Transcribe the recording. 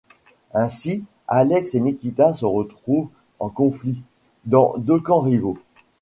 Ainsi Alex et Nikita se retrouvent en conflit, dans deux camps rivaux...